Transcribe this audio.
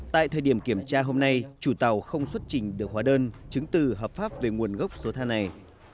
tại thời điểm kiểm tra hôm nay chủ tàu không xuất trình được hóa đơn chứng từ hợp pháp về nguồn gốc số than này